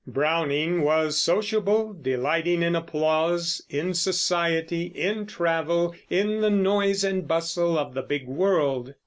Browning was sociable, delighting in applause, in society, in travel, in the noise and bustle of the big world.